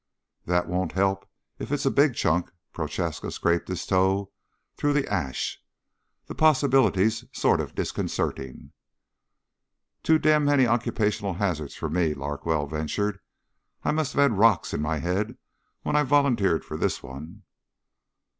"That won't help if it's a big chunk." Prochaska scraped his toe through the ash. "The possibility's sort of disconcerting." "Too damned many occupational hazards for me," Larkwell ventured. "I must have had rocks in my head when I volunteered for this one."